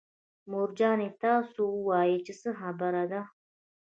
مور جانې تاسو ووايئ چې څه خبره ده.